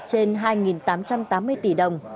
trên hai tám trăm tám mươi tỷ đồng